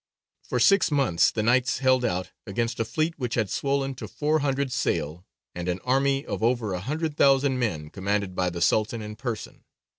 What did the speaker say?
For six months the Knights held out, against a fleet which had swollen to four hundred sail and an army of over a hundred thousand men commanded by the Sultan in person.